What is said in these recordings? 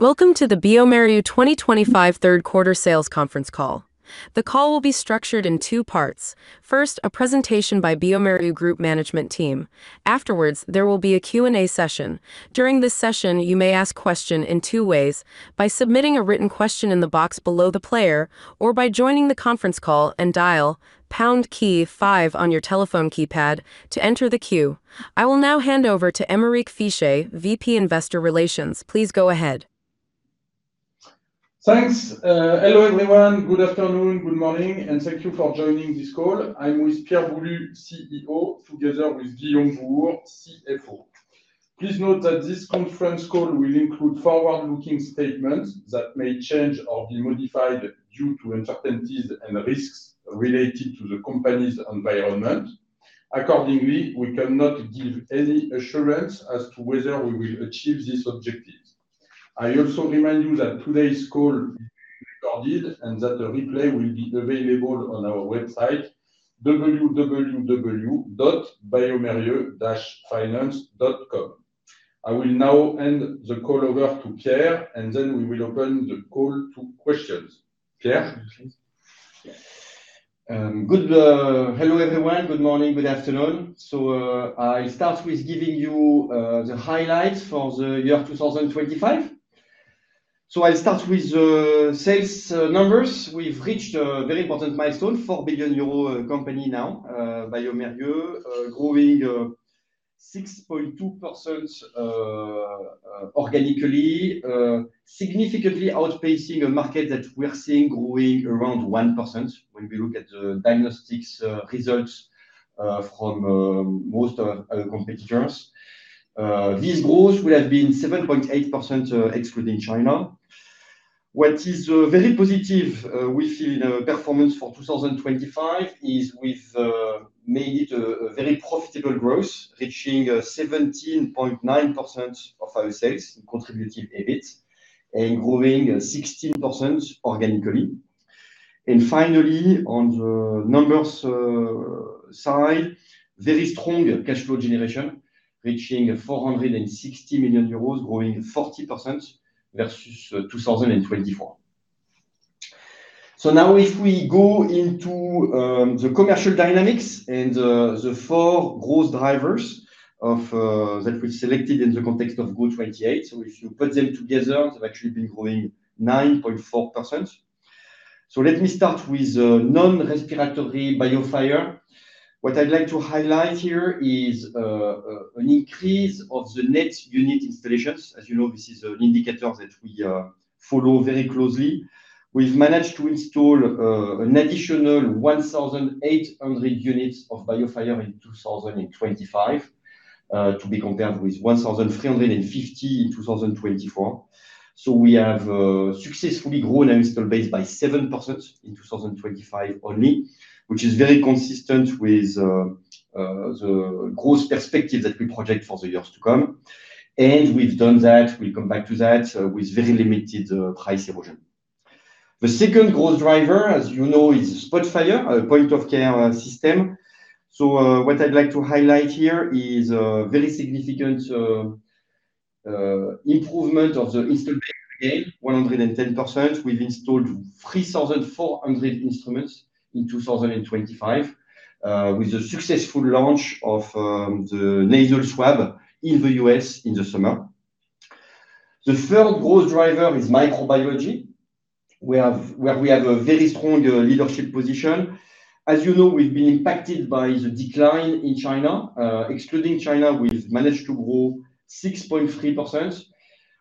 Welcome to the bioMérieux 2025 third quarter sales conference call. The call will be structured in two parts. First, a presentation by bioMérieux group management team. Afterwards, there will be a Q&A session. During this session, you may ask question in two ways: by submitting a written question in the box below the player, or by joining the conference call and dial pound key five on your telephone keypad to enter the queue. I will now hand over to Aymeric Fiche, VP Investor Relations. Please go ahead. Thanks. Hello, everyone. Good afternoon, good morning, and thank you for joining this call. I'm with Pierre Boulud, CEO, together with Guillaume Bouhours, CFO. Please note that this conference call will include forward-looking statements that may change or be modified due to uncertainties and risks related to the company's environment. Accordingly, we cannot give any assurance as to whether we will achieve these objectives. I also remind you that today's call is recorded and that the replay will be available on our website, www.biomerieux-finance.com. I will now hand the call over to Pierre, and then we will open the call to questions. Pierre? Good. Hello, everyone. Good morning, good afternoon. I'll start with giving you the highlights for the year 2025. I'll start with the sales numbers. We've reached a very important milestone, 4 billion euro company now, bioMérieux, growing 6.2% organically, significantly outpacing a market that we are seeing growing around 1% when we look at the diagnostics results from most of competitors. This growth would have been 7.8% excluding China. What is very positive we feel in our performance for 2025 is we've made it a very profitable growth, reaching 17.9% of our sales, contributive EBIT, and growing 16% organically. Finally, on the numbers side, very strong cash flow generation, reaching 460 million euros, growing 40% versus 2024. Now if we go into the commercial dynamics and the four growth drivers that we selected in the context of GO•28. If you put them together, they've actually been growing 9.4%. Let me start with non-respiratory BIOFIRE. What I'd like to highlight here is an increase of the net unit installations. As you know, this is an indicator that we follow very closely. We've managed to install an additional 1,800 units of BIOFIRE in 2025, to be compared with 1,350 in 2024. We have successfully grown our install base by 7% in 2025 only, which is very consistent with the growth perspective that we project for the years to come. We've done that, we'll come back to that, with very limited price erosion. The second growth driver, as you know, is SPOTFIRE, our point-of-care system. What I'd like to highlight here is a very significant improvement of the install base again, 110%. We've installed 3,400 instruments in 2025 with the successful launch of the nasal swab in the U.S. in the summer. The third growth driver is microbiology, where we have a very strong leadership position. As you know, we've been impacted by the decline in China. Excluding China, we've managed to grow 6.3%.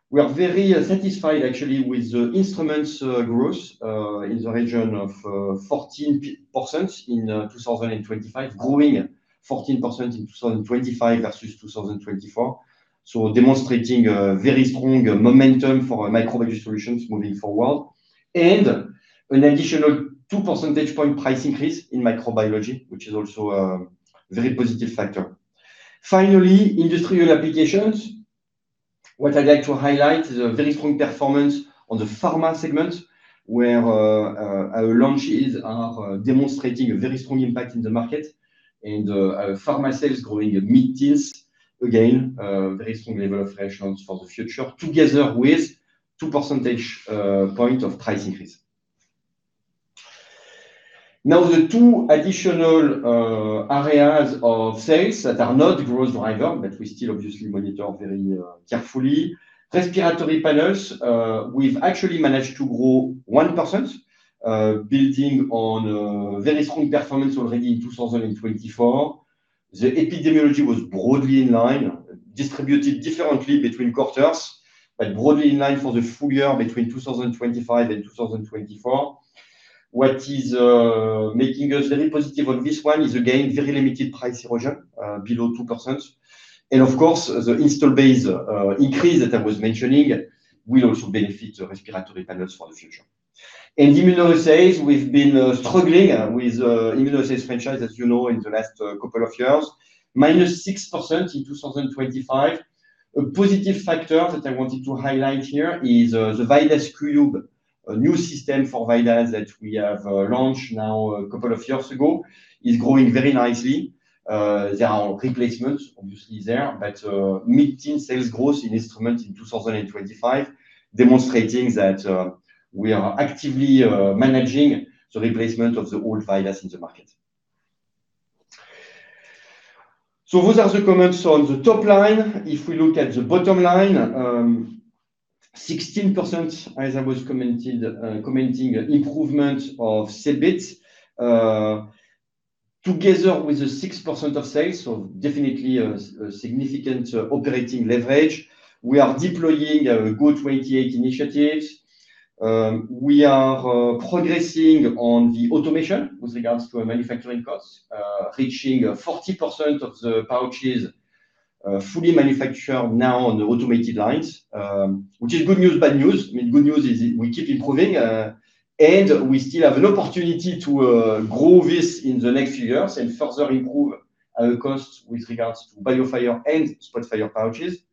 We are very satisfied, actually, with the instruments growth in the region of 14% in 2025, growing 14% in 2025 versus 2024. Demonstrating a very strong momentum for our microbiology solutions moving forward. An additional 2 percentage point price increase in microbiology, which is also a very positive factor. Finally, industrial applications. What I'd like to highlight is a very strong performance on the pharma segment, where our launches are demonstrating a very strong impact in the market and our pharma sales growing mid-teens. Again, very strong level of reassurance for the future, together with 2 percentage point of price increase. Now, the two additional areas of sales that are not growth driver, but we still obviously monitor very carefully. Respiratory panels, we've actually managed to grow 1%, building on a very strong performance already in 2024. The epidemiology was broadly in line, distributed differently between quarters, but broadly in line for the full year between 2025 and 2024. What is making us very positive on this one is, again, very limited price erosion, below 2%. Of course, the install base increase that I was mentioning will also benefit the respiratory panels for the future. In immunoassays, we've been struggling with immunoassays franchise, as you know, in the last couple of years, -6% in 2025. A positive factor that I wanted to highlight here is, the VIDAS KUBE, a new system for VIDAS that we have launched now a couple of years ago, is growing very nicely. There are replacements obviously there, but mid-teen sales growth in instrument in 2025, demonstrating that we are actively managing the replacement of the old VIDAS in the market. Those are the comments on the top line. If we look at the bottom line, 16%, as I was commented, commenting, improvement of EBIT, together with the 6% of sales. Definitely a significant operating leverage. We are deploying a GO•28 initiatives. We are progressing on the automation with regards to our manufacturing costs, reaching 40% of the pouches fully manufactured now on the automated lines, which is good news, bad news. I mean, good news is we keep improving, and we still have an opportunity to grow this in the next few years and further improve our costs with regards to BIOFIRE and SPOTFIRE pouches.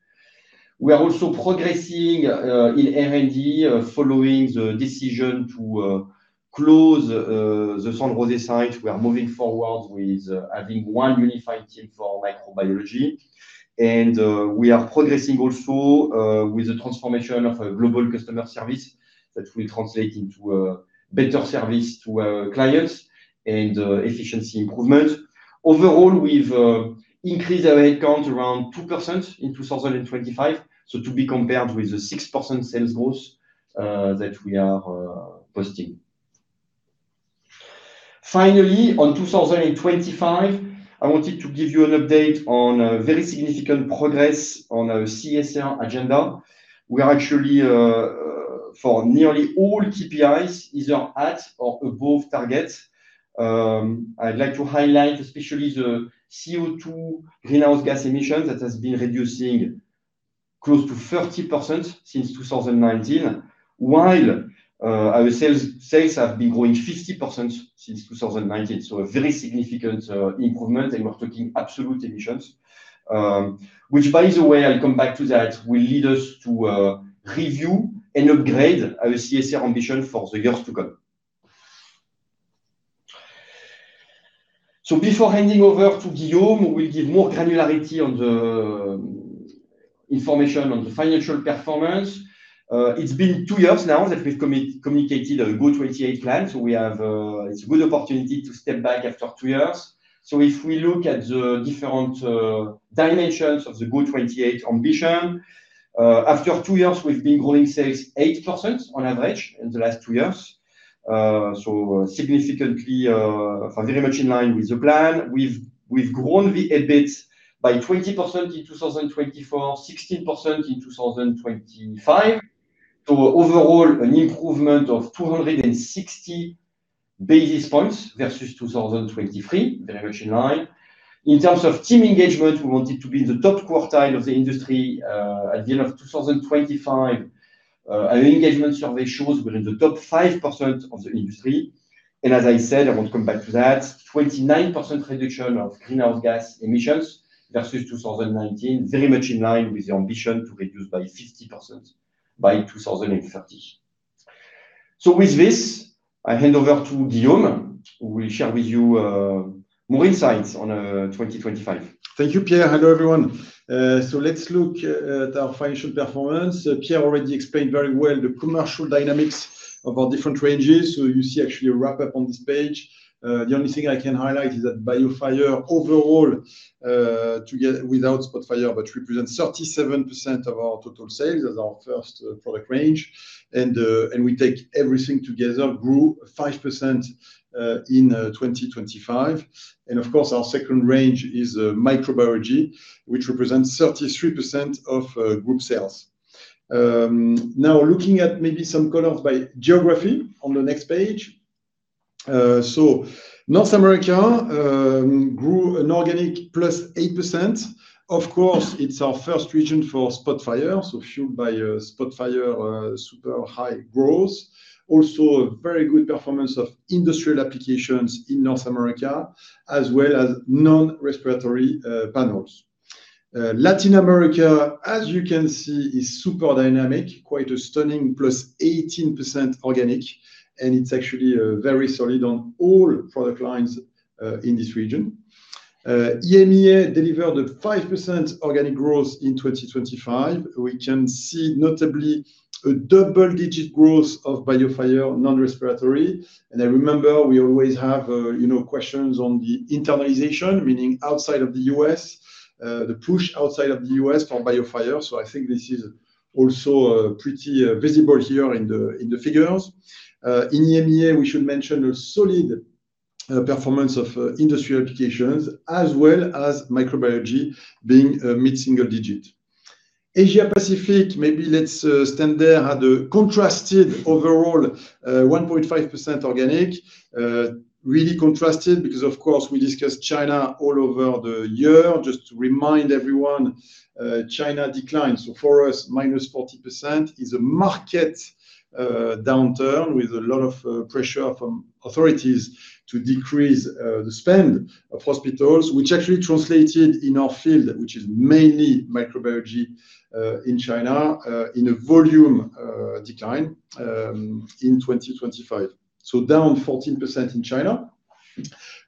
We are also progressing in R&D, following the decision to close the San Jose site. We are moving forward with having one unified team for microbiology, and we are progressing also with the transformation of a global customer service that will translate into a better service to our clients and efficiency improvement. Overall, we've increased our headcount around 2% in 2025, so to be compared with the 6% sales growth that we are posting. Finally, on 2025, I wanted to give you an update on a very significant progress on our CSR agenda. We are actually, for nearly all KPIs, either at or above target. I'd like to highlight especially the CO2 greenhouse gas emissions, that has been reducing close to 30% since 2019, while our sales have been growing 50% since 2019. A very significant improvement, and we're talking absolute emissions, which, by the way, I'll come back to that, will lead us to review and upgrade our CSR ambition for the years to come. Before handing over to Guillaume, who will give more granularity on the information on the financial performance. It's been two years now that we've communicated our GO•28 plan, we have. It's a good opportunity to step back after two years. If we look at the different dimensions of the GO•28 ambition, after two years, we've been growing sales 8% on average in the last two years. Significantly, very much in line with the plan. We've grown the EBIT by 20% in 2024, 16% in 2025, to overall an improvement of 260 basis points versus 2023. Very much in line. In terms of team engagement, we wanted to be in the top quartile of the industry, at the end of 2025. Our engagement survey shows we're in the top 5% of the industry, and as I said, I want to come back to that. 29% reduction of greenhouse gas emissions versus 2019, very much in line with the ambition to reduce by 50% by 2030. With this, I hand over to Guillaume, who will share with you more insights on 2025. Thank you, Pierre. Hello, everyone. Let's look at our financial performance. Pierre already explained very well the commercial dynamics of our different ranges. You see actually a wrap up on this page. The only thing I can highlight is that BIOFIRE overall, together without SPOTFIRE, represents 37% of our total sales as our first product range, and we take everything together, grew 5% in 2025. Of course, our second range is microbiology, which represents 33% of group sales. Now looking at maybe some colors by geography on the next page. North America grew an organic +8%. Of course, it's our first region for SPOTFIRE, fueled by SPOTFIRE super high growth. Also a very good performance of industrial applications in North America, as well as non-respiratory panels. Latin America, as you can see, is super dynamic, quite a stunning +18% organic, and it's actually very solid on all product lines in this region. EMEA delivered a 5% organic growth in 2025. We can see notably a double-digit growth of BIOFIRE non-respiratory. I remember we always have, you know, questions on the internalization, meaning outside of the U.S., the push outside of the U.S. for BIOFIRE. I think this is also pretty visible here in the figures. In EMEA, we should mention a solid performance of industrial applications as well as microbiology being mid-single digit. Asia Pacific, maybe let's stand there, had a contrasted overall 1.5% organic. Really contrasted because of course, we discussed China all over the year. Just to remind everyone, China declined, so for us, -40% is a market downturn with a lot of pressure from authorities to decrease the spend of hospitals, which actually translated in our field, which is mainly microbiology in China in a volume decline in 2025. Down 14% in China.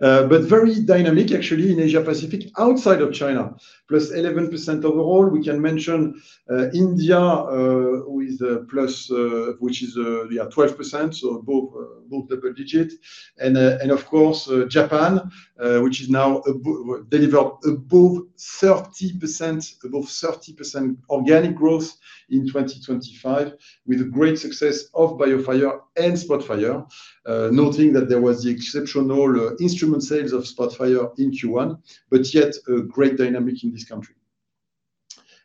Very dynamic actually in Asia Pacific, outside of China, +11% overall. We can mention India with plus, which is, yeah, 12%, so above double-digit. Of course, Japan, which is now developed above 30% organic growth in 2025, with a great success of BIOFIRE and SPOTFIRE. Noting that there was the exceptional instrument sales of SPOTFIRE in Q1, but yet a great dynamic in this country.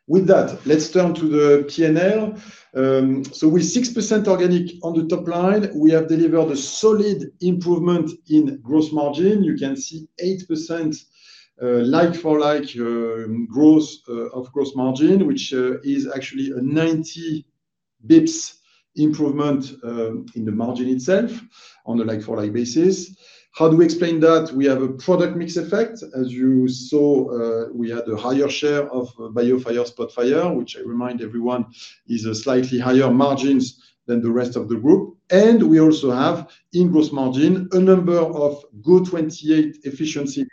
With that, let's turn to the P&L. With 6% organic on the top line, we have delivered a solid improvement in gross margin. You can see 8% like-for-like growth of gross margin, which is actually a 90 basis points improvement in the margin itself on a like-for-like basis. How do we explain that? We have a product mix effect. As you saw, we had a higher share of BIOFIRE, SPOTFIRE, which I remind everyone is a slightly higher margins than the rest of the group. We also have in gross margin, a number of GO•28 efficiency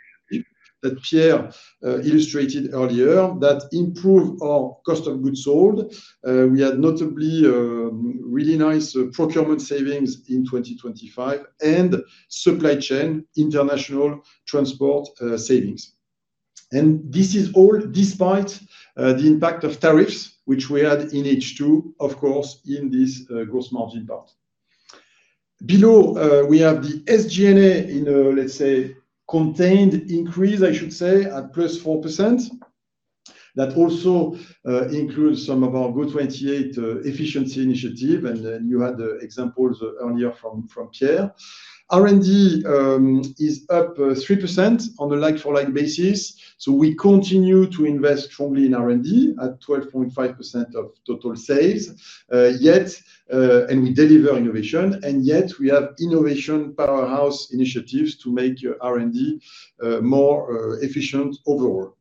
that Pierre illustrated earlier, that improve our cost of goods sold. We had notably, really nice procurement savings in 2025 and supply chain international transport savings. This is all despite the impact of tariffs, which we had in H2, of course, in this gross margin part. Below, we have the SG&A in a, let's say, contained increase, I should say, at +4%. That also includes some of our GO•28 efficiency initiative, and then you had the examples earlier from Pierre. R&D is up 3% on a like-for-like basis. We continue to invest strongly in R&D at 12.5% of total sales. We deliver innovation, and yet we have innovation powerhouse initiatives to make R&D more efficient overall.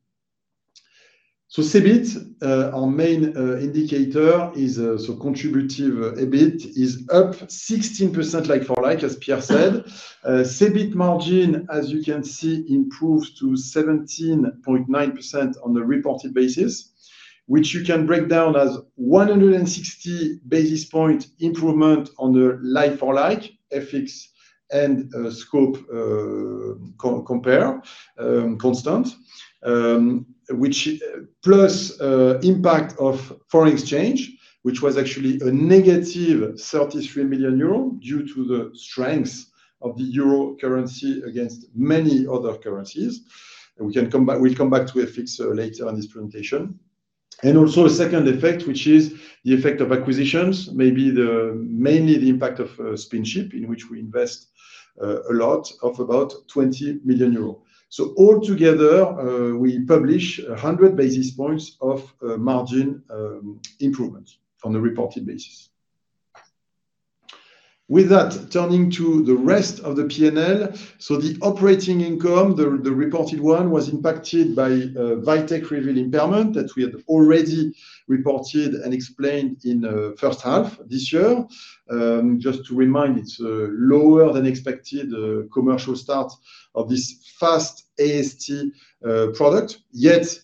CBIT, our main indicator is, so contributive EBIT is up 16% like-for-like, as Pierre said. CBIT margin, as you can see, improves to 17.9% on the reported basis, which you can break down as 160 basis point improvement on the like-for-like FX and scope compare constant. Plus, impact of foreign exchange, which was actually a -33 million euro, due to the strength of the euro currency against many other currencies. We can come back, we'll come back to FX later on this presentation. Also a second effect, which is the effect of acquisitions, maybe the-- mainly the impact of SpinChip, in which we invest, a lot, of about 20 million euros. All together, we publish 100 basis points of margin improvement from the reported basis. With that, turning to the rest of the P&L. The operating income, the reported one, was impacted by VITEK REVEAL impairment that we had already reported and explained in first half this year. Just to remind, it's a lower than expected commercial start of this fast AST product.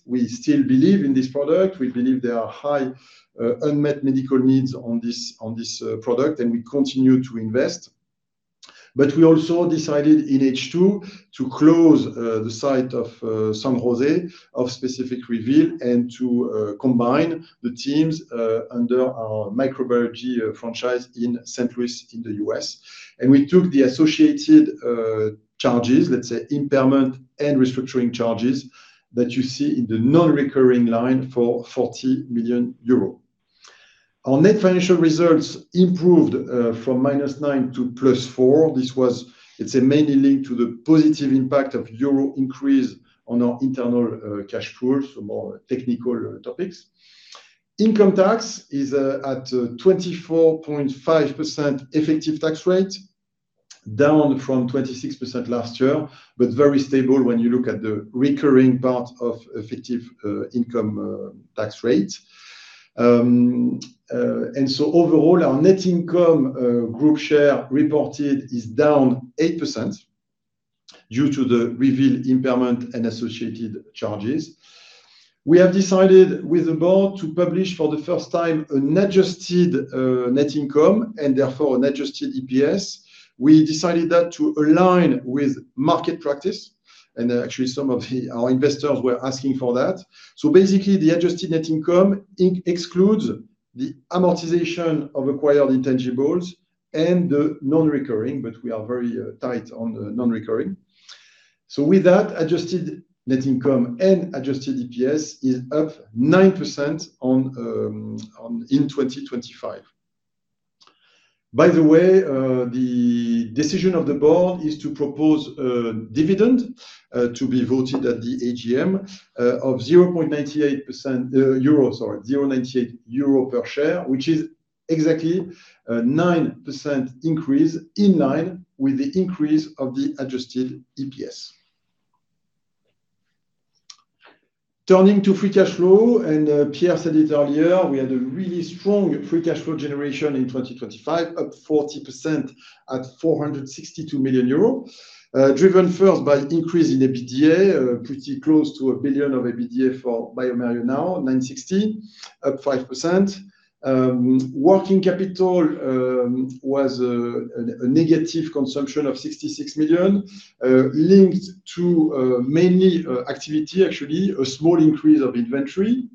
We still believe in this product. We believe there are high unmet medical needs on this, on this, product, and we continue to invest. We also decided in H2 to close the site of San Jose of Specific Reveal, and to combine the teams under our microbiology franchise in St. Louis in the U.S. We took the associated charges, let's say, impairment and restructuring charges, that you see in the non-recurring line for 40 million euro. Our net financial results improved from -9 to +4. It's mainly linked to the positive impact of euro increase on our internal cash flows, so more technical topics. Income tax is at a 24.5% effective tax rate, down from 26% last year, but very stable when you look at the recurring part of effective income tax rate. Overall, our net income group share reported is down 8% due to the REVEAL impairment and associated charges. We have decided with the board to publish for the first time an adjusted net income and therefore an adjusted EPS. We decided that to align with market practice, and actually some of our investors were asking for that. The adjusted net income excludes the amortization of acquired intangibles and the non-recurring, but we are very tight on the non-recurring. Adjusted net income and adjusted EPS is up 9% in 2025. By the way, the decision of the board is to propose a dividend to be voted at the AGM of 0.98 euro per share, which is exactly a 9% increase, in line with the increase of the adjusted EPS. Turning to free cash flow, Pierre said it earlier, we had a really strong free cash flow generation in 2025, up 40% at 462 million euro. Driven first by increase in EBITDA, pretty close to 1 billion of EBITDA for bioMérieux now, 960 million, up 5%. Working capital was a negative consumption of 66 million, linked to mainly activity, actually, a small increase of inventory.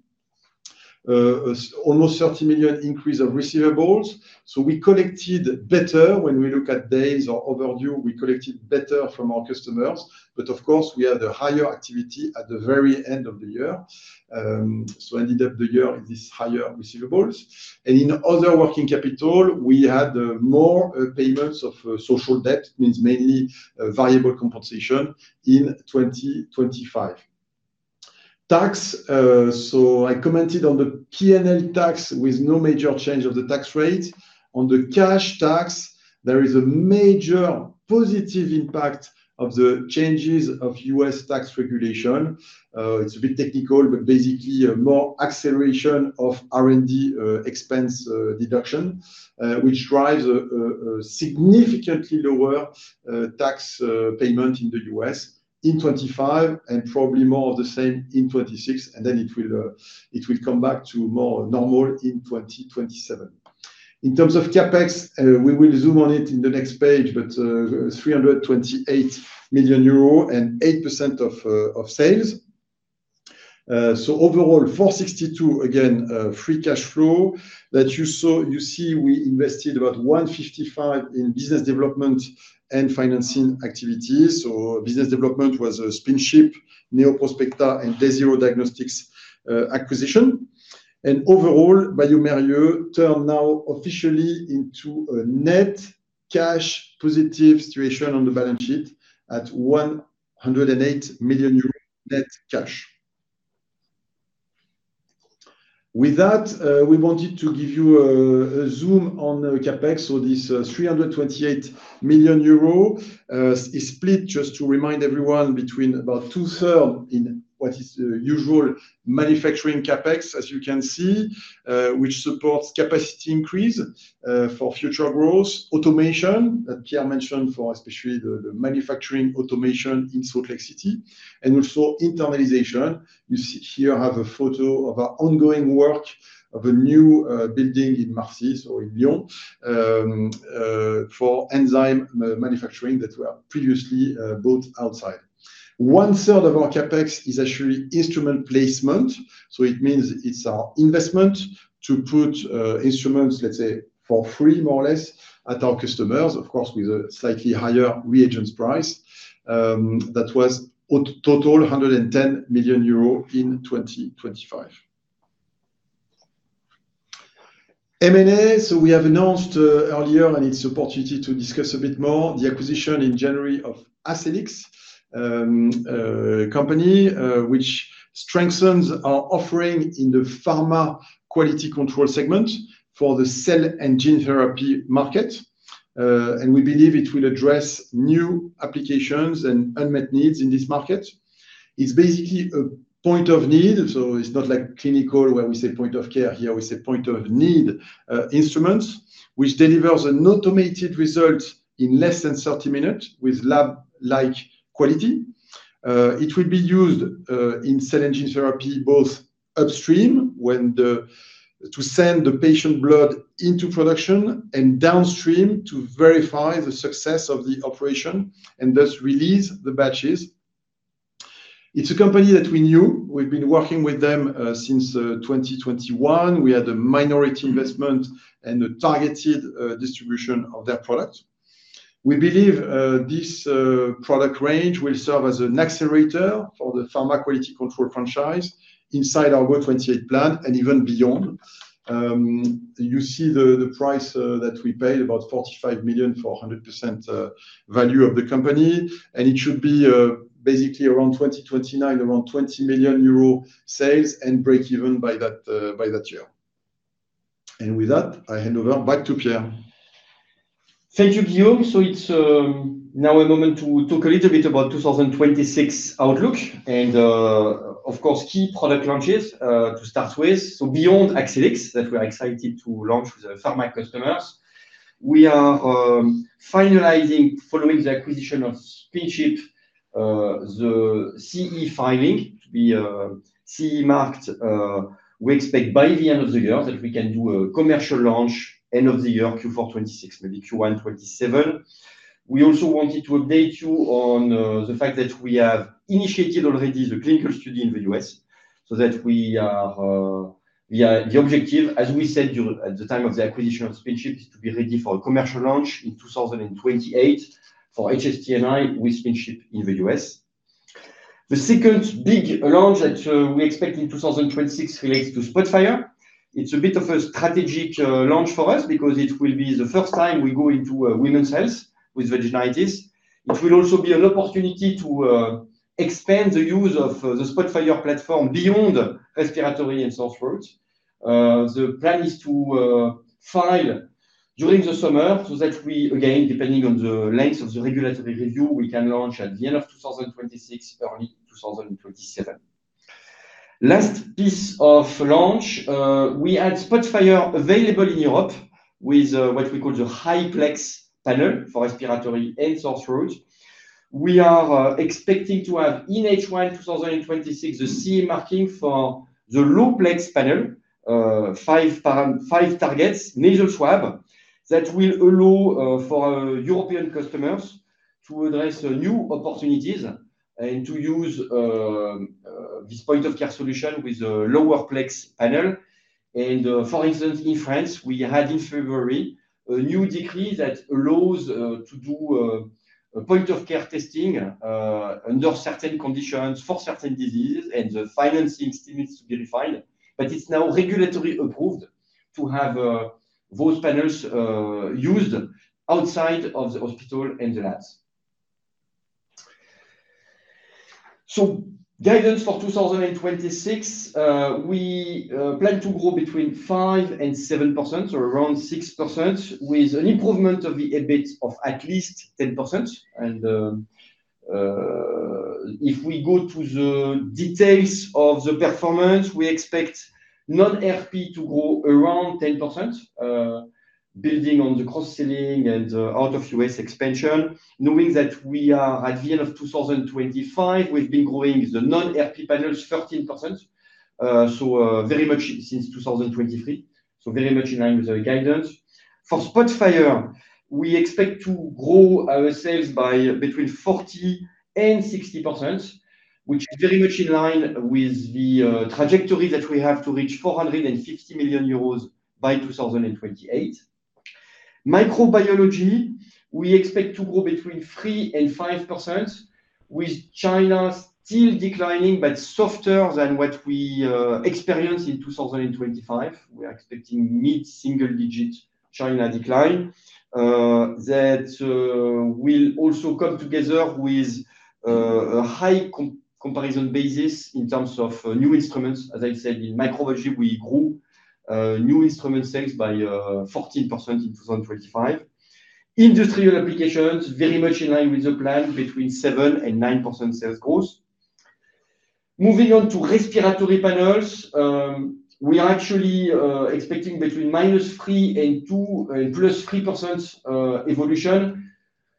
Almost 30 million increase of receivables. We collected better when we look at days or overdue, we collected better from our customers, but of course, we had a higher activity at the very end of the year. Ended up the year with this higher receivables. In other working capital, we had more payments of social debt, means mainly variable compensation in 2025. Tax, I commented on the P&L tax with no major change of the tax rate. On the cash tax, there is a major positive impact of the changes of U.S. tax regulation. It's a bit technical, but basically, more acceleration of R&D expense deduction, which drives a significantly lower tax payment in the U.S. in 2025, and probably more of the same in 2026, and then it will come back to more normal in 2027. In terms of CapEx, we will zoom on it in the next page, but 328 million euro and 8% of sales. So overall, 462, again, free cash flow that you saw. You see, we invested about 155 in business development and financing activities. Business development was a SpinChip, Neoprospecta, and Day Zero Diagnostics acquisition. Overall, bioMérieux turned now officially into a net cash positive situation on the balance sheet at 108 million euros net cash. With that, we wanted to give you a zoom on the CapEx. This 328 million euro is split, just to remind everyone, between about 2/3 in what is the usual manufacturing CapEx, as you can see, which supports capacity increase for future growth. Automation, that Pierre mentioned, for especially the manufacturing automation in Salt Lake City, and also internalization. You see here, I have a photo of our ongoing work of a new building in Marcy's or in Lyon, for enzyme manufacturing that were previously built outside. 1/3 of our CapEx is actually instrument placement. It means it's our investment to put instruments, let's say, for free, more or less, at our customers. Of course, with a slightly higher reagents price. That was total 110 million euro in 2025. M&A, so we have announced earlier, and it's opportunity to discuss a bit more, the acquisition in January of Accellix, a company which strengthens our offering in the pharma quality control segment for the cell and gene therapy market. We believe it will address new applications and unmet needs in this market. It's basically a point of need, so it's not like clinical, where we say point-of-care. Here, we say point of need instruments, which delivers an automated result in less than 30 minutes with lab-like quality. It will be used in cell and gene therapy, both upstream, when to send the patient blood into production, and downstream to verify the success of the operation and thus release the batches. It's a company that we knew. We've been working with them since 2021. We had a minority investment and a targeted distribution of their product. We believe this product range will serve as an accelerator for the pharma quality control franchise inside our GO•28 plan and even beyond. You see the price that we paid, about 45 million for 100% value of the company, and it should be basically around 2029, around 20 million euro sales and breakeven by that by that year. With that, I hand over back to Pierre. Thank you, Guillaume. It's now a moment to talk a little bit about 2026 outlook and, of course, key product launches to start with. Beyond Accellix, that we're excited to launch with the pharma customers, we are finalizing, following the acquisition of SpinChip, the CE filing to be CE marked, we expect by the end of the year, that we can do a commercial launch end of the year, Q4 2026, maybe Q1 2027. We also wanted to update you on the fact that we have initiated already the clinical study in the U.S., so that we are the objective, as we said at the time of the acquisition of SpinChip, is to be ready for a commercial launch in 2028 for hs-TnI with SpinChip in the U.S. The second big launch that we expect in 2026 relates to SPOTFIRE. It's a bit of a strategic launch for us because it will be the first time we go into women's health with vaginitis. It will also be an opportunity to expand the use of the SPOTFIRE platform beyond respiratory and sore throat. The plan is to file during the summer, so that we, again, depending on the length of the regulatory review, we can launch at the end of 2026, early 2027. Last piece of launch, we had SPOTFIRE available in Europe with what we call the high-plex panel for respiratory and sore throat. We are expecting to have in H1 2026, the CE marking for the low-plex panel, five targets, nasal swab, that will allow for European customers to address the new opportunities and to use this point-of-care solution with a lower-plex panel. For instance, in France, we had in February a new decree that allows to do a point-of-care testing under certain conditions for certain diseases, the financing still needs to be refined. It's now regulatory approved to have those panels used outside of the hospital and the labs. Guidance for 2026, we plan to grow between 5% and 7%, or around 6%, with an improvement of the EBIT of at least 10%. If we go to the details of the performance, we expect non-RP to grow around 10%, building on the cross-selling and out of U.S. expansion, knowing that we are at the end of 2025, we've been growing the non-RP panels 13%, very much since 2023. Very much in line with the guidance. For SPOTFIRE, we expect to grow our sales by between 40% and 60%, which is very much in line with the trajectory that we have to reach 450 million euros by 2028. Microbiology, we expect to grow between 3% and 5%, with China still declining, but softer than what we experienced in 2025. We are expecting mid-single digit China decline. That will also come together with a high comparison basis in terms of new instruments. As I said, in microbiology, we grew new instrument sales by 14% in 2025. Industrial applications, very much in line with the plan, between 7% and 9% sales growth. Moving on to respiratory panels, we are actually expecting between -3% and 2%, and +3% evolution,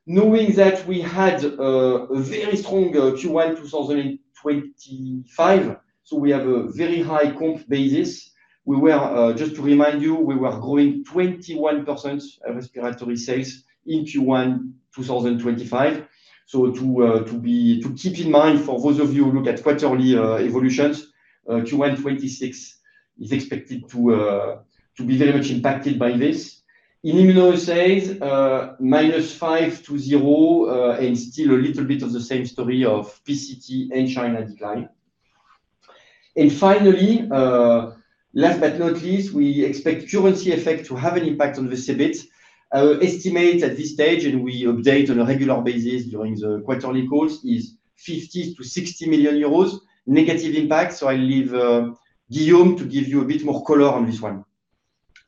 knowing that we had a very strong Q1 2025. We have a very high comp basis. Just to remind you, we were growing 21% respiratory sales in Q1 2025. To keep in mind, for those of you who look at quarterly evolutions, Q1 2026 is expected to be very much impacted by this. In immunoassays, -5% to zero, and still a little bit of the same story of PCT and China decline. Finally, last but not least, we expect currency effect to have an impact on the CBIT. Our estimate at this stage, and we update on a regular basis during the quarterly calls, is 50 million-60 million euros negative impact. I leave Guillaume to give you a bit more color on this one.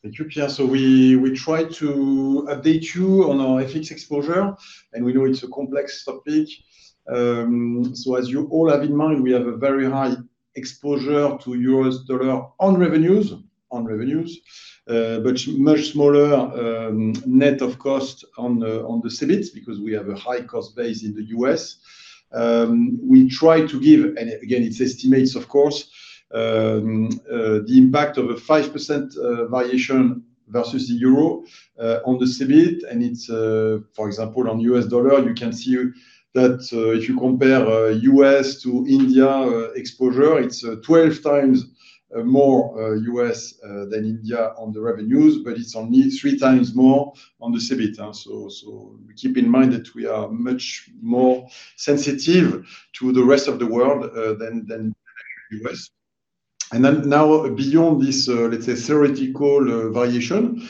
Thank you, Pierre. We try to update you on our FX exposure, and we know it's a complex topic. As you all have in mind, we have a very high exposure to U.S. dollar on revenues, but much smaller net of cost on the CBIT because we have a high cost base in the U.S. We try to give, and again, it's estimates, of course, the impact of a 5% variation versus the euro on the CBIT. It's, for example, on U.S. dollar, you can see that, if you compare U.S. to India exposure, it's 12x more U.S. than India on the revenues, but it's only 3x more on the CBIT, so keep in mind that we are much more sensitive to the rest of the world than U.S. Now, beyond this, let's say, theoretical variation,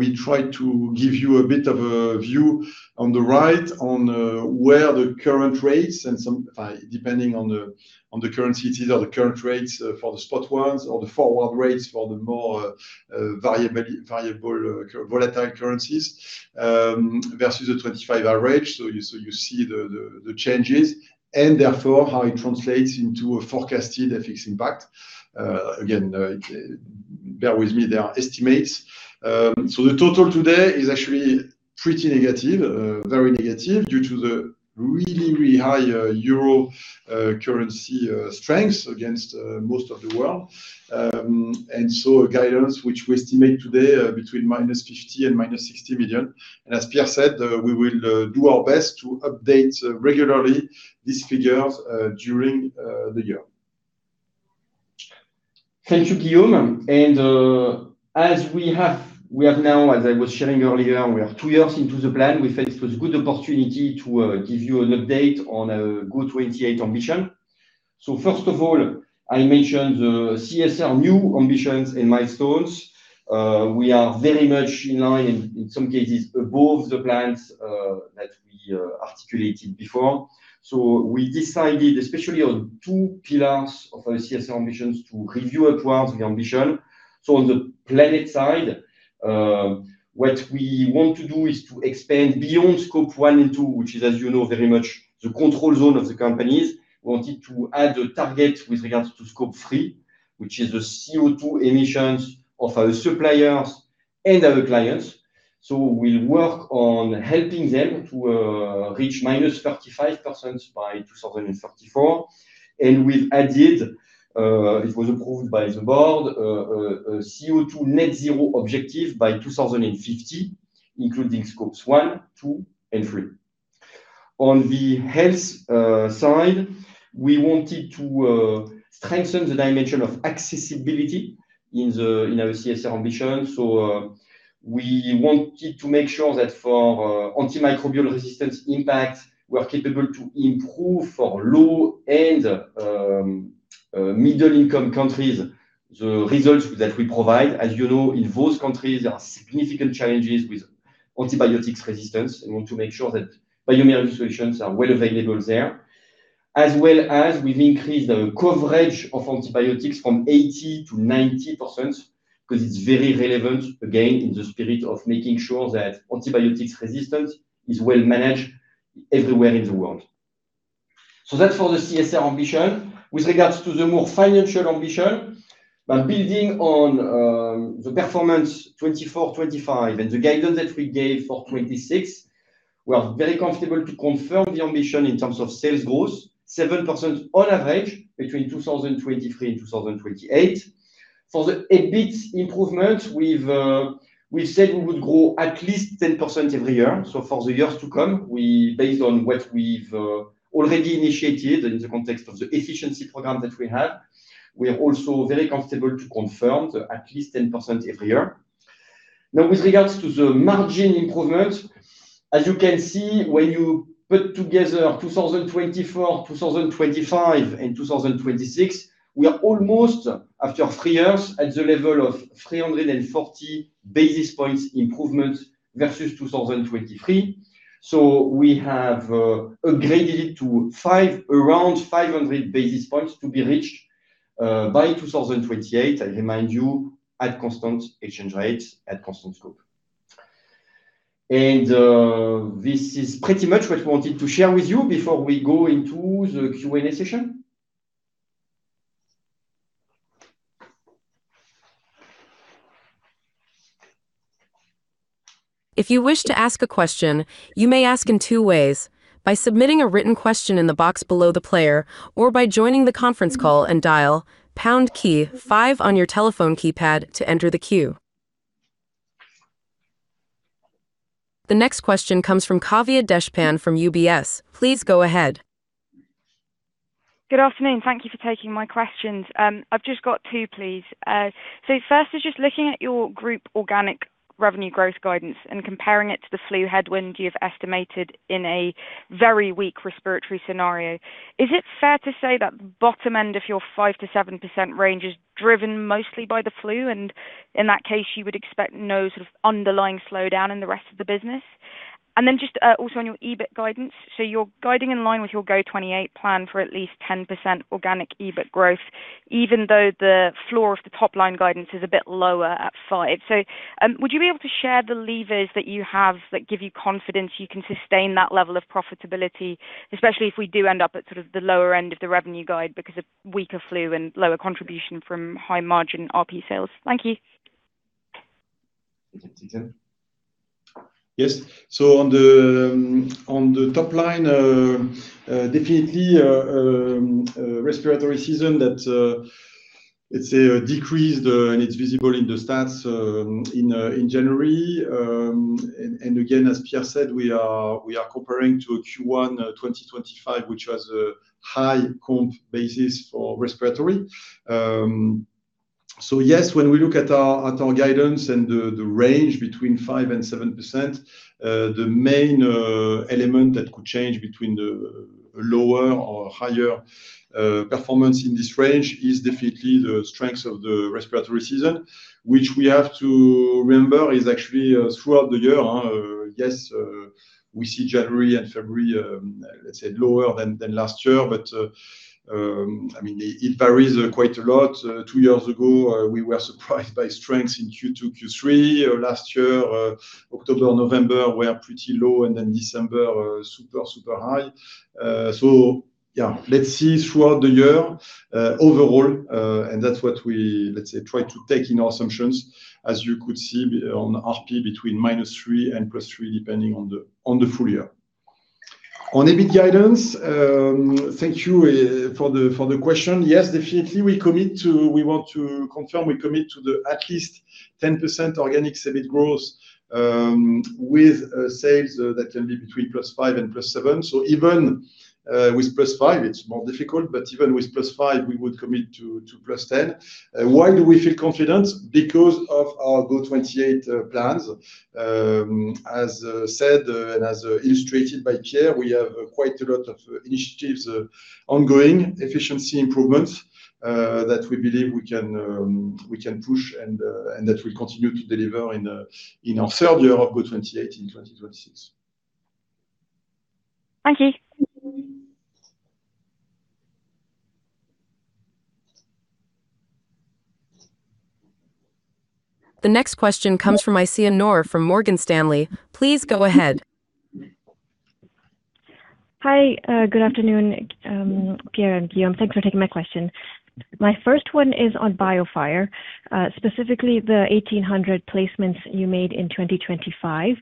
we try to give you a bit of a view on the right on where the current rates and depending on the currency, these are the current rates for the spot ones or the forward rates for the more variable volatile currencies versus the 2025 average. You see the changes and therefore how it translates into a forecasted FX impact. Again, bear with me, they are estimates. The total today is actually pretty negative, very negative, due to the really high euro currency strength against most of the world. A guidance which we estimate today between -50 million and EUR -60 million. As Pierre said, we will do our best to update regularly these figures during the year. Thank you, Guillaume. As we are now, as I was sharing earlier, we are two years into the plan. We felt it was a good opportunity to give you an update on our GO•28 ambition. First of all, I mentioned the CSR new ambitions and milestones. We are very much in line, in some cases, above the plans that we articulated before. We decided, especially on two pillars of our CSR ambitions, to review upwards the ambition. On the planet side, what we want to do is to expand beyond Scope 1 and 2, which is, as you know, very much the control zone of the companies. We wanted to add a target with regards to Scope 3, which is the CO2 emissions of our suppliers and our clients. We'll work on helping them to reach -35% by 2034. We've added, it was approved by the board, a CO2 net zero objective by 2050, including Scope 1, 2, and 3. On the health side, we wanted to strengthen the dimension of accessibility in our CSR ambition. We wanted to make sure that for antimicrobial resistance impact, we are capable to improve for low and middle-income countries the results that we provide. As you know, in those countries, there are significant challenges with antimicrobial resistance. We want to make sure that bioMérieux solutions are well available there, as well as we've increased the coverage of antibiotics from 80% to 90%, because it's very relevant, again, in the spirit of making sure that antibiotics resistance is well managed everywhere in the world. That's for the CSR ambition. With regards to the more financial ambition, by building on the performance 2024, 2025, and the guidance that we gave for 2026, we are very comfortable to confirm the ambition in terms of sales growth, 7% on average between 2023 and 2028. For the EBIT improvement, we've said we would grow at least 10% every year. For the years to come, we... based on what we've already initiated in the context of the efficiency program that we have, we are also very comfortable to confirm the at least 10% every year. With regards to the margin improvement, as you can see, when you put together 2024, 2025, and 2026, we are almost, after three years, at the level of 340 basis points improvement versus 2023. So we have upgraded it to around 500 basis points to be reached by 2028. I remind you, at constant exchange rates, at constant scope. This is pretty much what we wanted to share with you before we go into the Q&A session. If you wish to ask a question, you may ask in two ways: by submitting a written question in the box below the player, or by joining the conference call and dial pound key five on your telephone keypad to enter the queue. The next question comes from Kavya Deshpande from UBS. Please go ahead. Good afternoon. Thank you for taking my questions. I've just got two, please. First is just looking at your group organic revenue growth guidance and comparing it to the flu headwind you've estimated in a very weak respiratory scenario. Is it fair to say that the bottom end of your 5%-7% range is driven mostly by the flu, and in that case, you would expect no sort of underlying slowdown in the rest of the business? Just also on your EBIT guidance. You're guiding in line with your GO•28 plan for at least 10% organic EBIT growth, even though the floor of the top line guidance is a bit lower at 5%. Would you be able to share the levers that you have that give you confidence you can sustain that level of profitability, especially if we do end up at sort of the lower end of the revenue guide because of weaker flu and lower contribution from high-margin RP sales? Thank you. Yes. On the top line, definitely respiratory season that let's say decreased, and it's visible in the stats in January. Again, as Pierre said, we are comparing to Q1 2025, which was a high comp basis for respiratory. Yes, when we look at our guidance and the range between 5% and 7%, the main element that could change between the lower or higher performance in this range is definitely the strength of the respiratory season, which we have to remember is actually throughout the year, huh. Yes, we see January and February, let's say lower than last year, I mean, it varies quite a lot. Two years ago, we were surprised by strengths in Q2, Q3. Last year, October, November, were pretty low, and then December, super high. Yeah, let's see throughout the year, overall, and that's what we, let's say, try to take in our assumptions, as you could see on RP between -3% and +3%, depending on the, on the full year. On EBIT guidance, thank you for the question. Yes, definitely, we want to confirm, we commit to the at least 10% organic EBIT growth, with sales that can be between +5% and +7%. Even with +5%, it's more difficult, but even with +5%, we would commit to +10%. Why do we feel confident? Because of our GO•28 plans. As said, and as illustrated by Pierre, we have quite a lot of initiatives, ongoing efficiency improvements, that we believe we can, we can push and that we continue to deliver in our third year of GO•28 in 2026. Thank you. The next question comes from Aisyah Noor from Morgan Stanley. Please go ahead. Hi. Good afternoon, Pierre and Guillaume. Thanks for taking my question. My first one is on BIOFIRE, specifically the 1,800 placements you made in 2025.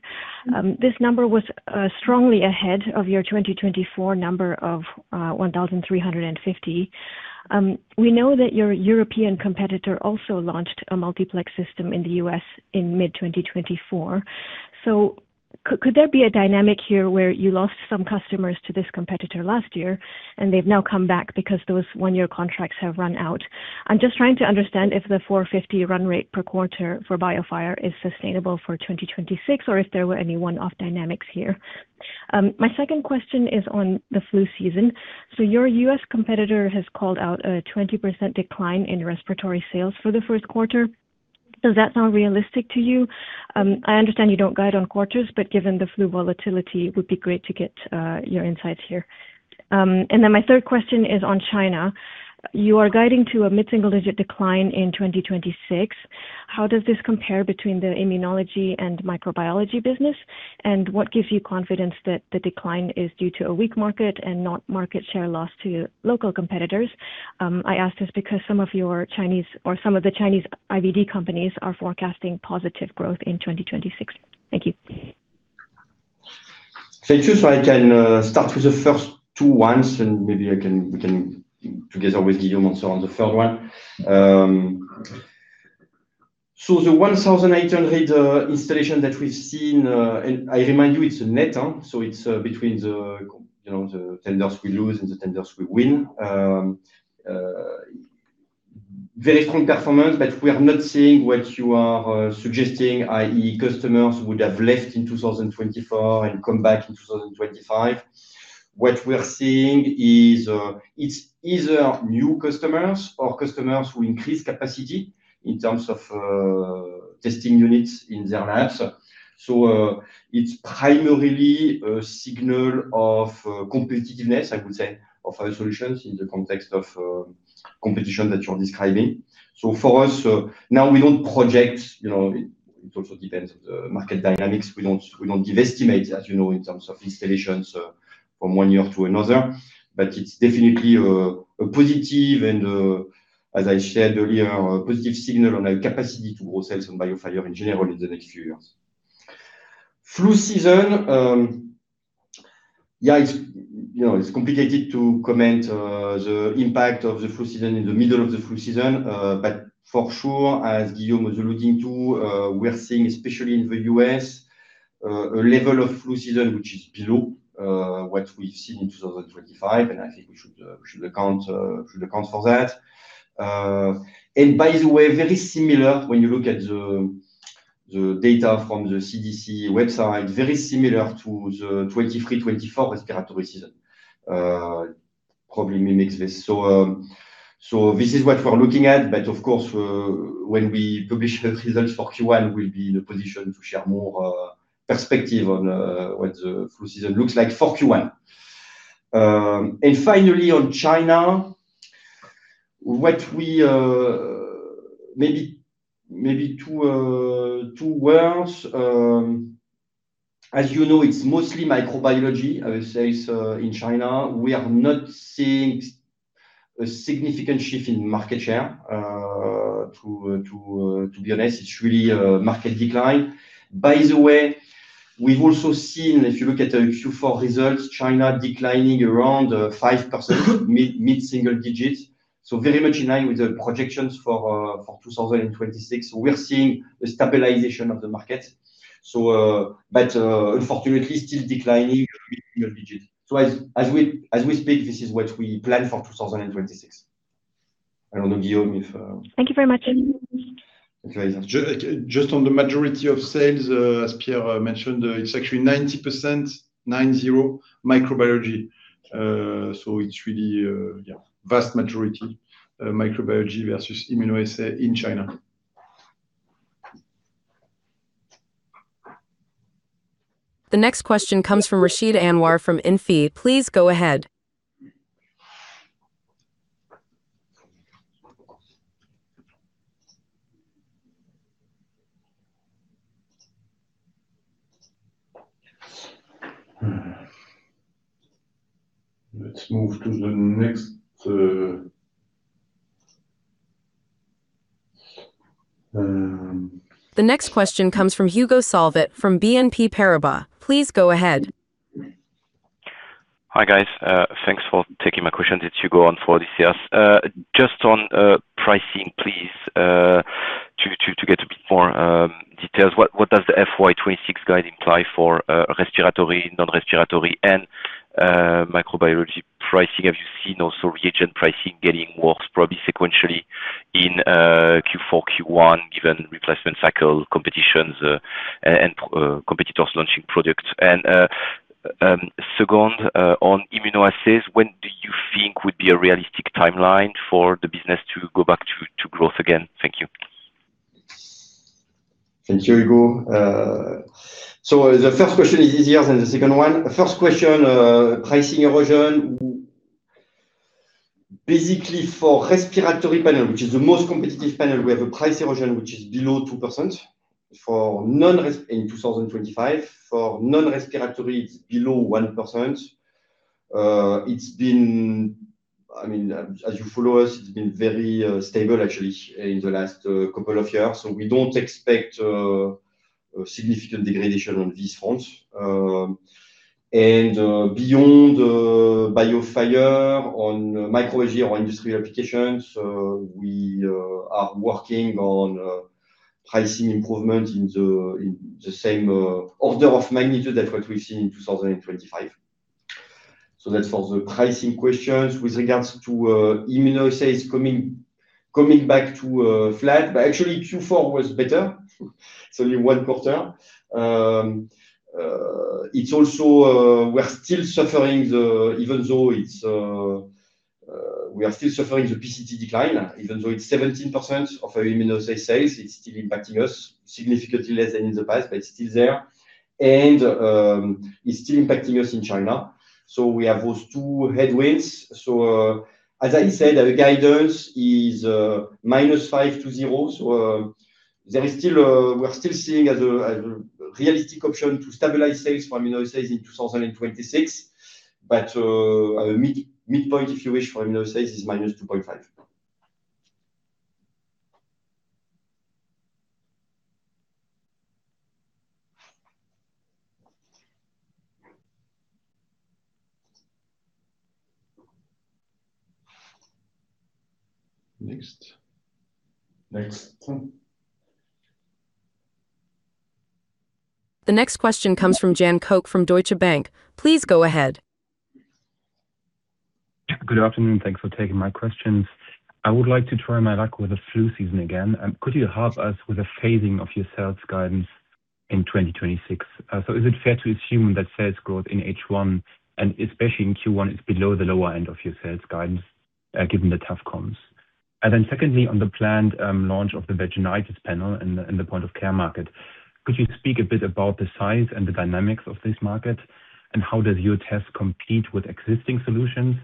This number was strongly ahead of your 2024 number of 1,350. Could there be a dynamic here where you lost some customers to this competitor last year, and they've now come back because those one-year contracts have run out? I'm just trying to understand if the 450 run rate per quarter for BIOFIRE is sustainable for 2026, or if there were any one-off dynamics here. My second question is on the flu season. Your U.S competitor has called out a 20% decline in respiratory sales for the first quarter. Does that sound realistic to you? I understand you don't guide on quarters, but given the flu volatility, it would be great to get your insights here. My third question is on China. You are guiding to a mid-single-digit decline in 2026. How does this compare between the immunology and microbiology business? What gives you confidence that the decline is due to a weak market and not market share loss to your local competitors? I ask this because some of your Chinese or some of the Chinese IVD companies are forecasting positive growth in 2026. Thank you. Thank you. I can start with the first two ones, and maybe we can together with Guillaume and so on the third one. The 1,800 installation that we've seen, and I remind you, it's a net on, so it's between the, you know, the tenders we lose and the tenders we win. Very strong performance, we are not seeing what you are suggesting, i.e., customers would have left in 2024 and come back in 2025. What we are seeing is, it's either new customers or customers who increase capacity in terms of testing units in their labs. It's primarily a signal of competitiveness, I would say, of our solutions in the context of competition that you're describing. For us, now we don't project, you know, it also depends on the market dynamics. We don't, we don't give estimate, as you know, in terms of installations, from one year to another, but it's definitely a positive and, as I said earlier, a positive signal on our capacity to grow sales on BIOFIRE in general in the next few years. Flu season, yeah, it's, you know, it's complicated to comment on the impact of the flu season in the middle of the flu season. But for sure, as Guillaume was alluding to, we are seeing, especially in the U.S., a level of flu season, which is below what we've seen in 2025, and I think we should account for that. Very similar when you look at the data from the CDC website, very similar to the 2023, 2024 respiratory season. Probably mimics this. This is what we're looking at, but of course, when we publish the results for Q1, we'll be in a position to share more perspective on what the flu season looks like for Q1. Finally on China, maybe two words. As you know, it's mostly microbiology, I would say, in China. We are not seeing a significant shift in market share. To be honest, it's really a market decline. We've also seen, if you look at the Q4 results, China declining around 5%, mid-single digits. Very much in line with the projections for 2026. We are seeing a stabilization of the market. Unfortunately, still declining mid single digits. As we speak, this is what we plan for 2026. I don't know, Guillaume, if. Thank you very much. Okay. Just on the majority of sales, as Pierre mentioned, it's actually 90%, nine zero, microbiology. It's really, yeah, vast majority, microbiology versus immunoassay in China. The next question comes from Rachid Anwar from Investec. Please go ahead. Let's move to the next. The next question comes from Hugo Solvet from BNP Paribas. Please go ahead. Hi, guys. Thanks for taking my question. It's Hugo on for Delphine Le Louet. Just on pricing, please, to get a bit more details, what does the FY 2026 guide imply for respiratory, non-respiratory, and microbiology pricing? Have you seen also reagent pricing getting worse, probably sequentially in Q4, Q1, given replacement cycle competitions, and competitors launching products? Second, on immunoassays, when do you think would be a realistic timeline for the business to go back to growth again? Thank you. Thank you, Hugo. The first question is easier than the second one. The first question, pricing erosion. Basically, for respiratory panel, which is the most competitive panel, we have a price erosion, which is below 2% in 2025. For non-respiratory, it's below 1%. I mean, as you follow us, it's been very stable actually in the last couple of years, so we don't expect a significant degradation on this front. Beyond BIOFIRE on micro-organism or industrial applications, we are working on pricing improvement in the same order of magnitude as what we've seen in 2025. That's for the pricing questions. With regards to immunoassays coming back to flat, but actually Q4 was better. It's only one quarter. It's also, even though it's, we are still suffering the PCT decline, even though it's 17% of our immunoassay sales, it's still impacting us significantly less than in the past, but it's still there. It's still impacting us in China. We have those two headwinds. As I said, our guidance is -5% to zero. There is still, we're still seeing as a realistic option to stabilize sales for immunoassays in 2026. Mid-midpoint, if you wish, for immunoassays, is -2.5%. Next. Next. The next question comes from Janne Koch from Deutsche Bank. Please go ahead. Good afternoon. Thanks for taking my questions. I would like to try my luck with the flu season again. Could you help us with the phasing of your sales guidance in 2026? Is it fair to assume that sales growth in H1, and especially in Q1, is below the lower end of your sales guidance, given the tough comps? Secondly, on the planned launch of the vaginitis panel and the point-of-care market, could you speak a bit about the size and the dynamics of this market, and how does your test compete with existing solutions?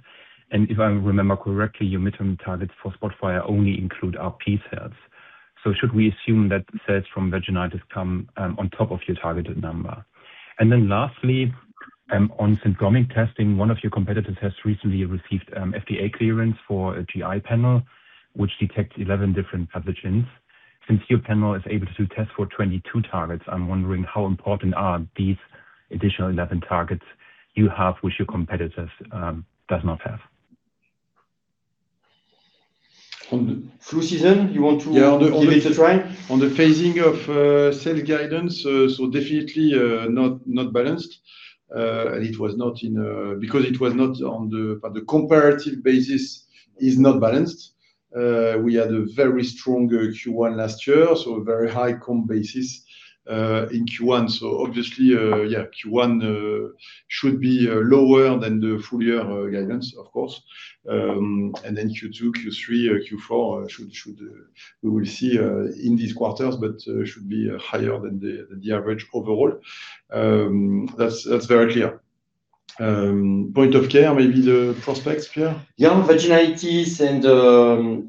If I remember correctly, your midterm targets for SPOTFIRE only include RP sales. Should we assume that sales from vaginitis come on top of your targeted number? Lastly, on syndromic testing, one of your competitors has recently received FDA clearance for a GI panel, which detects 11 different pathogens. Since your panel is able to test for 22 targets, I'm wondering: How important are these additional 11 targets you have, which your competitors does not have? On the flu season, you want to. Yeah. give it a try? On the phasing of sales guidance, definitely not balanced. It was not in, the comparative basis is not balanced. We had a very strong Q1 last year, a very high comp basis in Q1. Obviously, Q1 should be lower than the full year guidance, of course. Then Q2, Q3, Q4 should we will see in these quarters, should be higher than the average overall. That's very clear. Point-of-care, maybe the prospects, Pierre? Yeah, vaginitis and,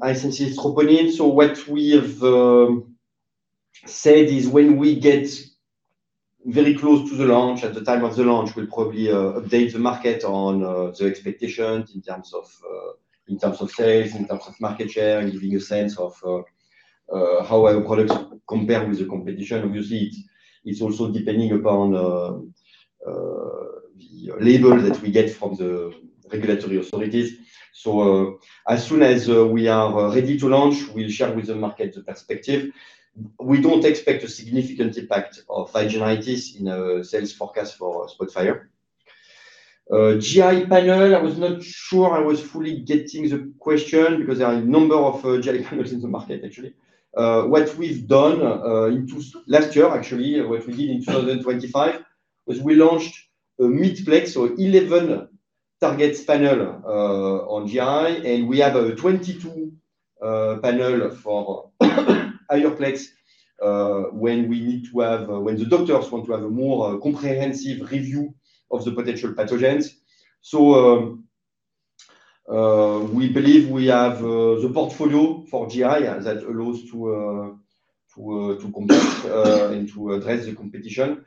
high-sensitivity troponin. What we have said is when we get very close to the launch, at the time of the launch, we'll probably update the market on the expectations in terms of in terms of sales, in terms of market share, and giving a sense of how our products compare with the competition. Obviously, it's also depending upon the label that we get from the regulatory authorities. As soon as we are ready to launch, we'll share with the market the perspective. We don't expect a significant impact of vaginitis in our sales forecast for SPOTFIRE. GI panel, I was not sure I was fully getting the question because there are a number of GI panels in the market, actually. What we've done into... Last year, actually, what we did in 2025, was we launched a midplex, so 11 targets panel, on GI, and we have a 22 panel for higher plex, when we need to have when the doctors want to have a more comprehensive review of the potential pathogens. We believe we have the portfolio for GI that allows to to to compete and to address the competition.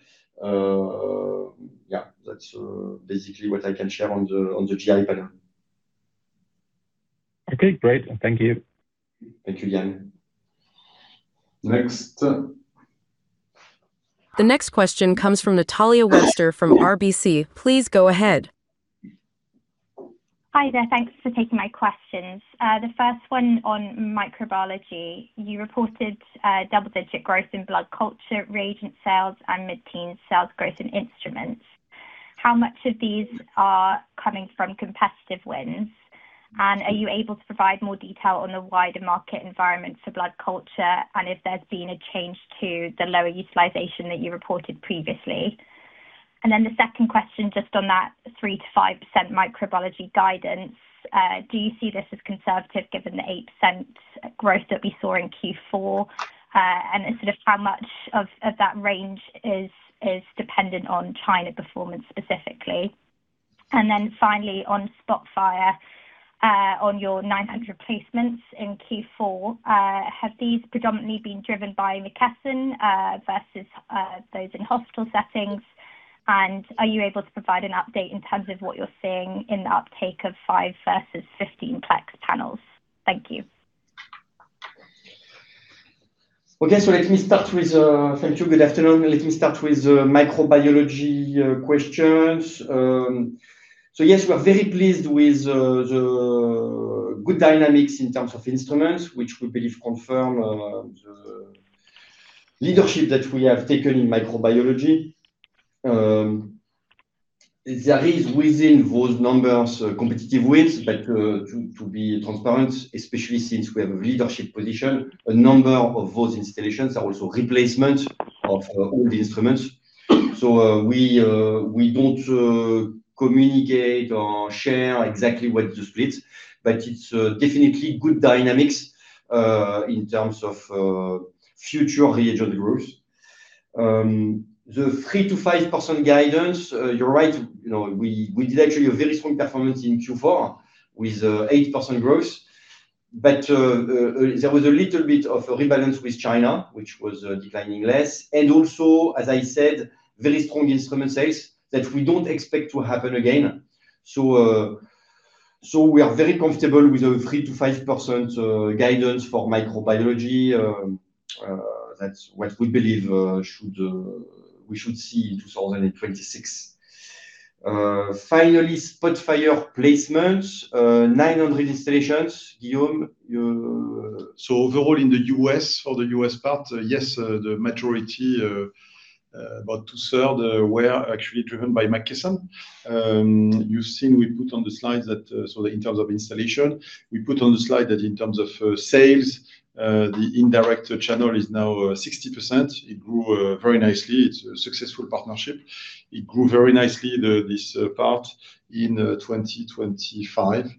Yeah, that's basically what I can share on the on the GI panel. Okay, great. Thank you. Thank you, Janne. Next. The next question comes from Natalia Webster from RBC. Please go ahead. Hi there. Thanks for taking my questions. The first one on microbiology: You reported double-digit growth in blood culture, reagent sales, and mid-teen sales growth in instruments. How much of these are coming from competitive wins? Are you able to provide more detail on the wider market environment for blood culture, and if there's been a change to the lower utilization that you reported previously? The second question, just on that 3%-5% microbiology guidance, do you see this as conservative, given the 8% growth that we saw in Q4? Instead of how much of that range is dependent on China performance specifically? Finally, on SPOTFIRE, on your 900 placements in Q4, have these predominantly been driven by McKesson versus those in hospital settings? Are you able to provide an update in terms of what you're seeing in the uptake of five-plex versus 15-plex panels? Thank you. Okay. Thank you. Good afternoon. Let me start with the microbiology questions. Yes, we are very pleased with the good dynamics in terms of instruments, which we believe confirm the leadership that we have taken in microbiology. There is within those numbers, competitive wins, but to be transparent, especially since we have a leadership position, a number of those installations are also replacements of old instruments. We don't communicate or share exactly what the split, but it's definitely good dynamics in terms of future revenue growth. The 3%-5% guidance, you're right, we did actually a very strong performance in Q4 with 8% growth. There was a little bit of a rebalance with China, which was declining less. Also, as I said, very strong instrument sales that we don't expect to happen again. We are very comfortable with a 3%-5% guidance for microbiology. That's what we believe should we should see in 2026. Finally, SPOTFIRE placements, 900 installations. Guillaume. Overall, in the U.S., for the U.S. part, yes, the majority, about 2/3 were actually driven by McKesson. You've seen we put on the slides that in terms of installation, we put on the slide that in terms of sales, the indirect channel is now 60%. It grew very nicely. It's a successful partnership. It grew very nicely, this part in 2025.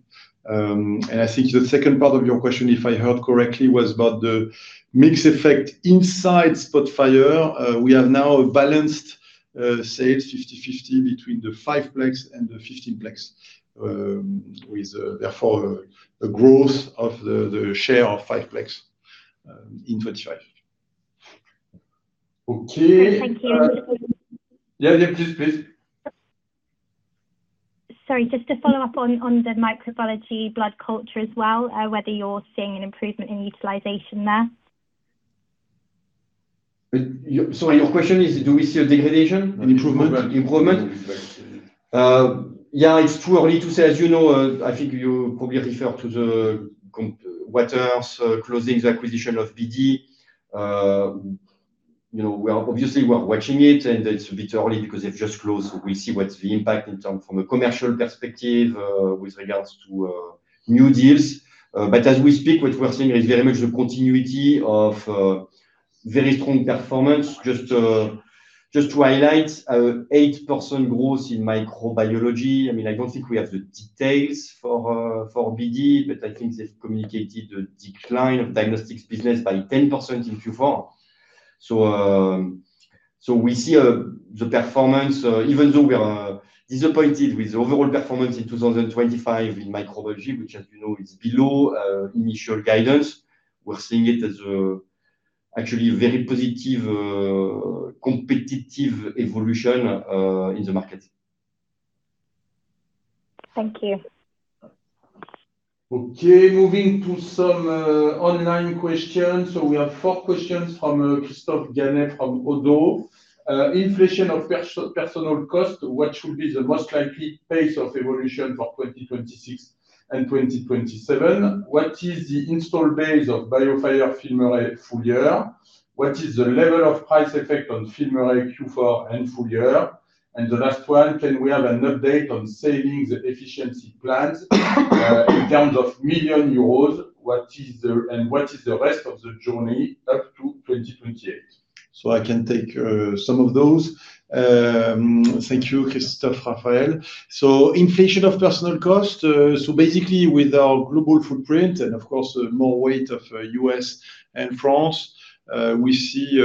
I think the second part of your question, if I heard correctly, was about the mix effect inside SPOTFIRE. We have now balanced sales 50/50 between the five-plex and the 15-plex, with therefore a growth of the share of five-plex in 2025. Okay. Thank you. Yeah, yeah, please. Sorry, just to follow up on the microbiology blood culture as well, whether you're seeing an improvement in utilization there? Sorry, your question is, do we see a degradation? An improvement. Improvement? Yeah, it's too early to say. As you know, I think you probably refer to Waters closing the acquisition of BD. You know, we are obviously watching it, and it's a bit early because it just closed. We'll see what's the impact in terms from a commercial perspective, with regards to new deals. But as we speak, what we are seeing is very much the continuity of very strong performance. Just to highlight 8% growth in microbiology. I mean, I don't think we have the details for BD, but I think they've communicated a decline of diagnostics business by 10% in Q4. We see the performance, even though we are disappointed with the overall performance in 2025 in microbiology, which, as you know, is below initial guidance, we're seeing it as actually very positive competitive evolution in the market. Thank you. Okay, moving to some online questions. We have four questions from Christophe-Raphaël Ganet from ODDO BHF. Inflation of personal cost, what should be the most likely pace of evolution for 2026 and 2027? What is the install base of BIOFIRE FILMARRAY full year? What is the level of price effect on FILMARRAY Q4 and full year? The last one, can we have an update on savings efficiency plans, in terms of million euros, what is the rest of the journey up to 2028? I can take some of those. Thank you, Christophe Raphael. Inflation of personal cost. Basically, with our global footprint and of course, the more weight of U.S. and France, we see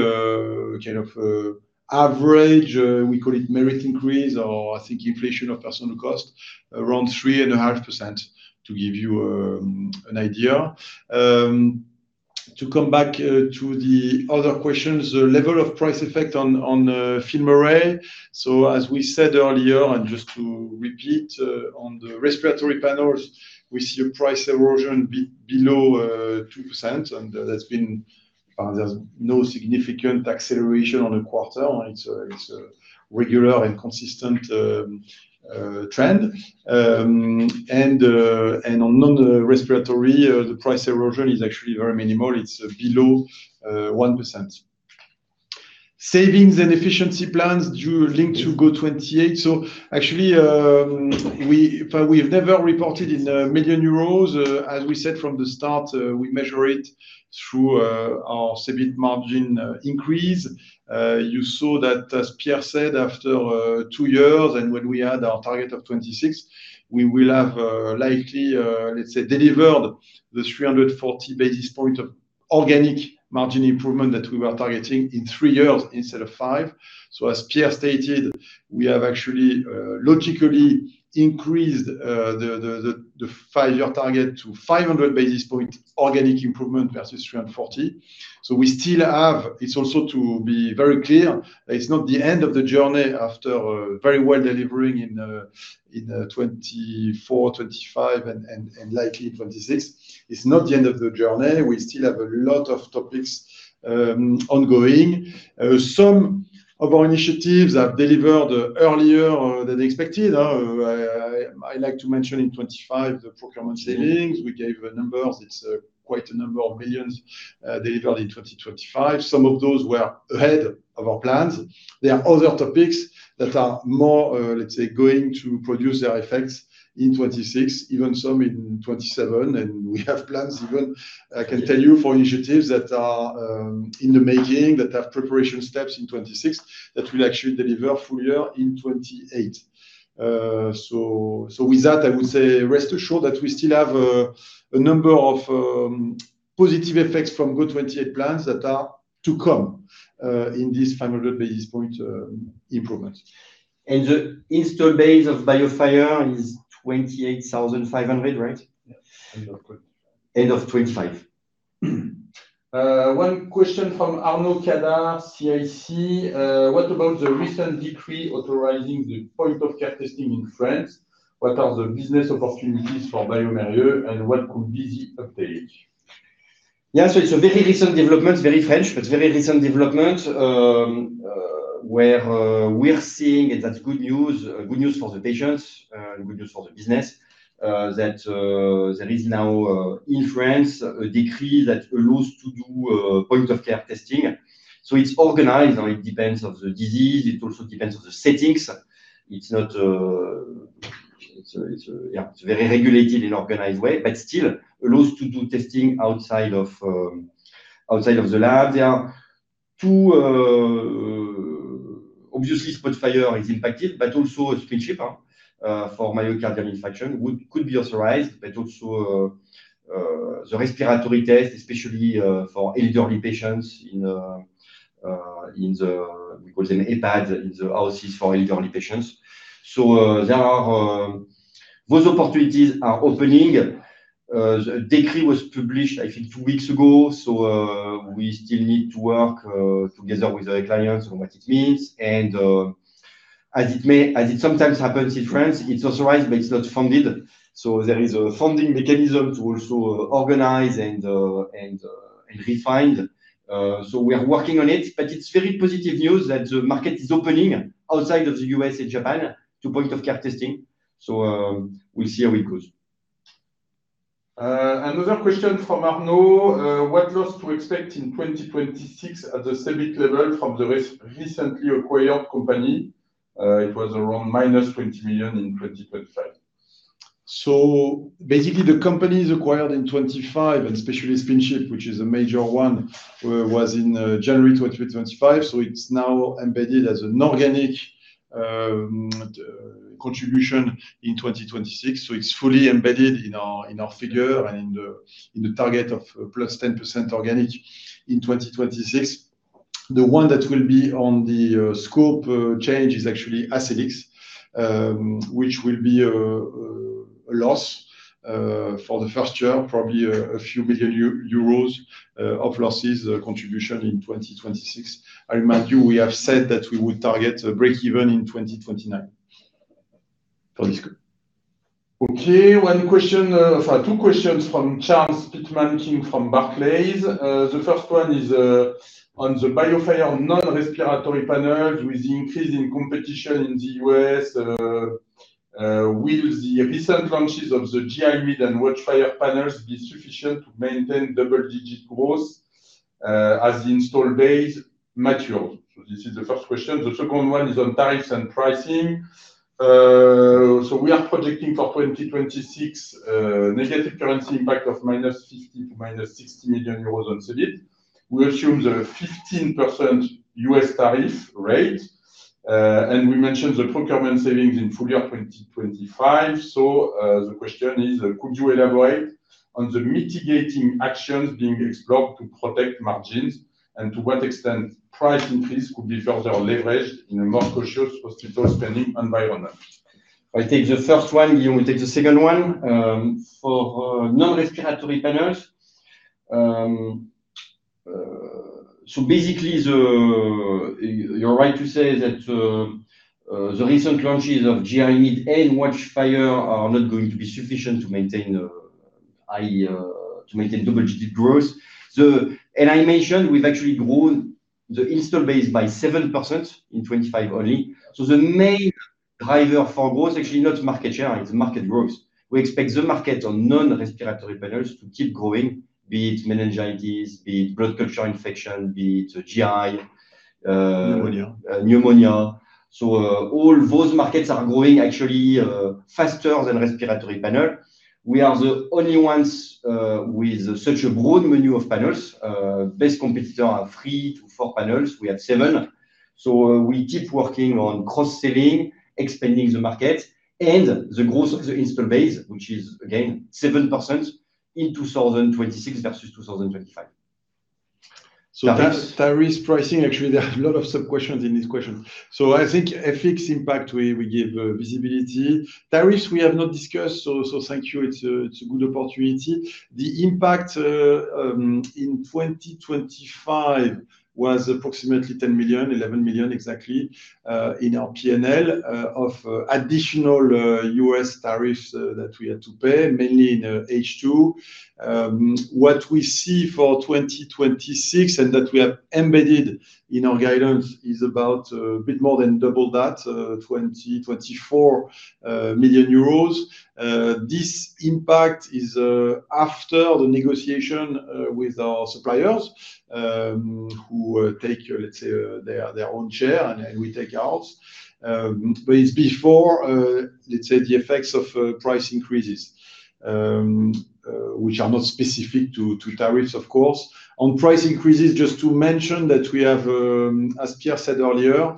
kind of average, we call it merit increase or I think inflation of personal cost, around 3.5%, to give you an idea. To come back to the other questions, the level of price effect on FILMARRAY. As we said earlier, and just to repeat, on the respiratory panels, we see a price erosion below 2%, and that's been there's no significant acceleration on the quarter. It's a regular and consistent trend. On non-respiratory, the price erosion is actually very minimal. It's below 1%. Savings and efficiency plans due linked to GO•28. Actually, we have never reported in million euros. As we said from the start, we measure it through our EBIT margin increase. You saw that, as Pierre said, after two years, and when we had our target of 2026, we will have likely, let's say, delivered the 340 basis points of organic margin improvement that we were targeting in three years instead of five. As Pierre stated, we have actually logically increased the five-year target to 500 basis points organic improvement versus 340 basis points. It's also to be very clear, it's not the end of the journey after very well delivering in 2024, 2025 and likely 2026. It's not the end of the journey. We still have a lot of topics ongoing. Some of our initiatives have delivered earlier than expected. I'd like to mention in 2025, the procurement savings. We gave a numbers. It's quite a number of millions delivered in 2025. Some of those were ahead of our plans. There are other topics that are more, let's say, going to produce their effects in 2026, even some in 2027. We have plans even, I can tell you, for initiatives that are in the making, that have preparation steps in 2026, that will actually deliver full year in 2028. With that, I would say rest assured that we still have a number of positive effects from GO•28 plans that are to come in this 500 basis point improvement. The install base of BIOFIRE is 28,500, right? Yes. End of 2025. End of 2025. One question from Arnaud Cadart, CIC. What about the recent decree authorizing the point-of-care testing in France? What are the business opportunities for bioMérieux, and what could be the uptake? Yeah, it's a very recent development, very French, but very recent development, where we're seeing it as good news, good news for the patients, good news for the business. That there is now in France a decree that allows to do point-of-care testing. It's organized, or it depends on the disease, it also depends on the settings. It's, yeah, it's very regulated and organized way, but still allows to do testing outside of outside of the lab. There are two. Obviously, SPOTFIRE is impacted, but also SpinChip for myocardial infarction could be authorized, but also the respiratory test, especially for elderly patients in the, we call them EHPAD, in the houses for elderly patients. There are those opportunities are opening. The decree was published, I think, two weeks ago, we still need to work together with our clients on what it means. As it sometimes happens in France, it's authorized, but it's not funded. There is a funding mechanism to also organize and and refine. We are working on it, but it's very positive news that the market is opening outside of the U.S. and Japan to point-of-care testing. We'll see how it goes. Another question from Arnaud Cadart: What loss to expect in 2026 at the EBIT level from the recently acquired company? It was around -20 million in 2025. Basically, the companies acquired in 2025, and especially SpinChip, which is a major one, was in January 2025. It's now embedded as an organic contribution in 2026. It's fully embedded in our, in our figure and in the, in the target of +10% organic in 2026. The one that will be on the scope change is actually Accellix, which will be a loss for the first year, probably a few million euros of losses contribution in 2026. I remind you, we have said that we would target a break even in 2029 for this group. Okay, one question, or two questions from Charles Pitman-King from Barclays. The first one is on the BIOFIRE non-respiratory panel. With the increase in competition in the U.S., will the recent launches of the GI-MID and WATCHFIRE panels be sufficient to maintain double-digit growth as the install base matures? This is the first question. The second one is on tariffs and pricing. We are projecting for 2026 negative currency impact of -50 million to -60 million euros on EBIT. We assume the 15% U.S. tariff rate, and we mentioned the procurement savings in full year 2025. The question is, could you elaborate on the mitigating actions being explored to protect margins? To what extent price increase could be further leveraged in a more cautious hospital spending environment? I'll take the first one, you will take the second one. For non-respiratory panels, you're right to say that the recent launches of GI-MID and WATCHFIRE are not going to be sufficient to maintain a high to maintain double-digit growth. I mentioned, we've actually grown the install base by 7% in 2025 only. The main driver for growth, actually not market share, it's market growth. We expect the market on non-respiratory panels to keep growing, be it meningitis, be it blood culture infection, be it GI. Pneumonia. Pneumonia. All those markets are growing actually faster than respiratory panel. We are the only ones with such a broad menu of panels. Best competitor are three to four panels, we have seven. We keep working on cross-selling, expanding the market, and the growth of the install base, which is again, 7% in 2026 versus 2025. That's tariffs pricing. Actually, there are a lot of sub-questions in this question. I think FX impact, we give visibility. Tariffs, we have not discussed, so thank you, it's a good opportunity. The impact in 2025 was approximately 10 million, 11 million exactly, in our P&L of additional U.S. tariffs that we had to pay, mainly in H2. What we see for 2026, and that we have embedded in our guidance, is about a bit more than double that, 24 million euros. This impact is after the negotiation with our suppliers, who take, let's say, their own share and we take ours. But it's before the effects of price increases, which are not specific to tariffs, of course. On price increases, just to mention that we have-- as Pierre said earlier,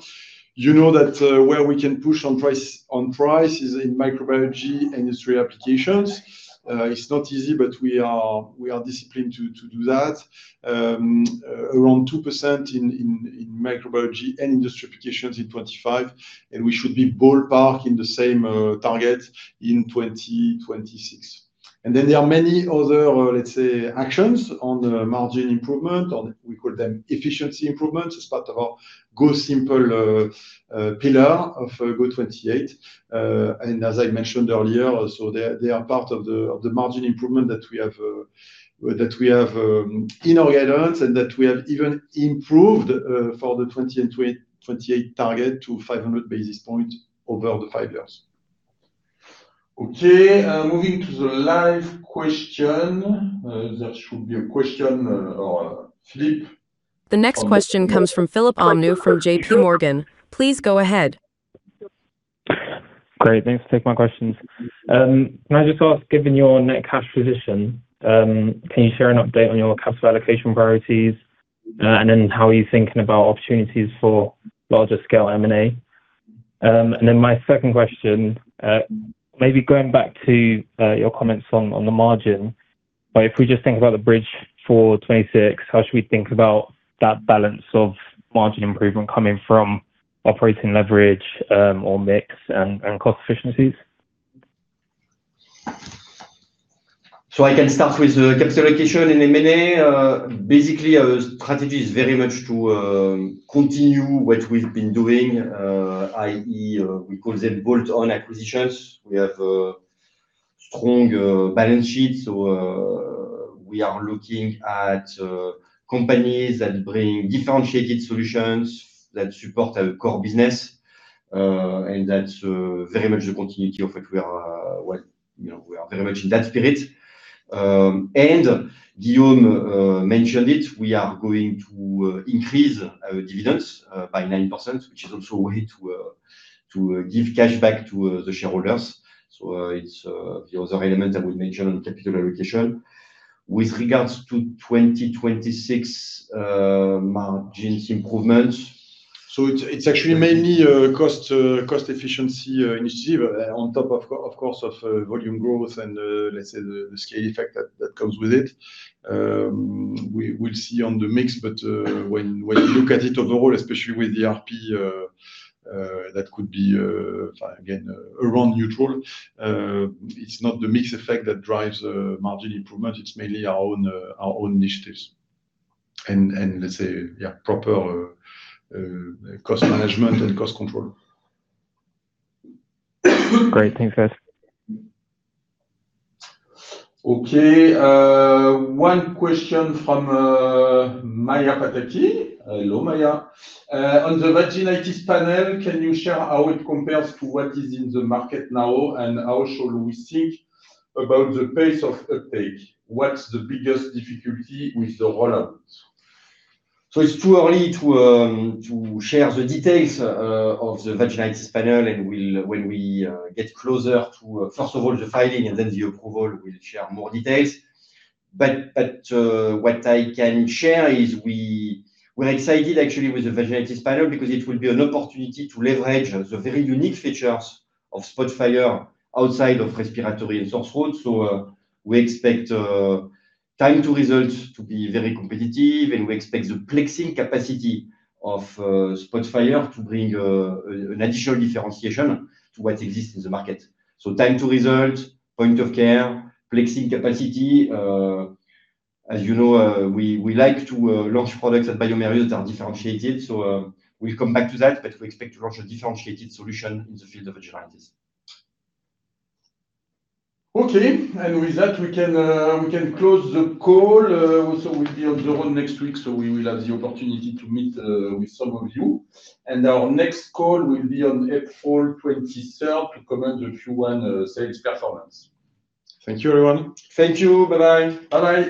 you know that where we can push on price, on price is in microbiology industry applications. It's not easy, but we are, we are disciplined to do that. Around 2% in microbiology and industry applications in 2025, and we should be ballpark in the same target in 2026. There are many other actions on the margin improvement, we call them efficiency improvements, as part of our GO•Simple pillar of GO•28. As I mentioned earlier also, they are part of the margin improvement that we have in our guidance, and that we have even improved for the 2028 target to 500 basis points over the five years. Moving to the live question. There should be a question, or Anchal Verma. The next question comes from Anchal Verma from J.P. Morgan. Please go ahead. Great, thanks for taking my questions. Can I just ask, given your net cash position, can you share an update on your capital allocation priorities? How are you thinking about opportunities for larger scale M&A? My second question, maybe going back to your comments on the margin, if we just think about the bridge for 2026, how should we think about that balance of margin improvement coming from operating leverage, or mix and cost efficiencies? I can start with the capital allocation and M&A. Basically, our strategy is very much to continue what we've been doing, we call them bolt-on acquisitions. We have a strong balance sheet, we are looking at companies that bring differentiated solutions that support our core business. That's very much the continuity of it. We are very much in that spirit. Guillaume mentioned it, we are going to increase our dividends by 9%, which is also a way to give cash back to the shareholders. It's the other element I would mention on capital allocation. With regards to 2026, margins improvements- It's actually mainly cost efficiency initiative on top of of course, of volume growth and, let's say, the scale effect that comes with it. We'll see on the mix, but when you look at it overall, especially with the RP, that could be again, around neutral. It's not the mix effect that drives the margin improvement, it's mainly our own initiatives, and let's say, yeah, proper cost management and cost control. Great. Thanks, guys. Okay, one question from Maja Pataki. Hello, Maja. On the vaginitis panel, can you share how it compares to what is in the market now, and how should we think about the pace of uptake? What's the biggest difficulty with the roll-out? It's too early to to share the details of the vaginitis panel, and when we get closer to, first of all, the filing and then the approval, we'll share more details. What I can share is we're excited actually with the vaginitis panel because it will be an opportunity to leverage the very unique features of SPOTFIRE outside of respiratory and sore throat. We expect time to results to be very competitive, and we expect the plexing capacity of SPOTFIRE to bring an additional differentiation to what exists in the market. Time to result, point-of-care, plexing capacity, as you know, we like to launch products at bioMérieux that are differentiated. We'll come back to that, but we expect to launch a differentiated solution in the field of vaginitis. Okay, with that, we can close the call. We'll be on the road next week, so we will have the opportunity to meet with some of you. Our next call will be on April 23rd to comment on Q1 sales performance. Thank you, everyone. Thank you. Bye-bye. Bye-bye!